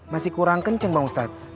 masih kurang kenceng bang ustadz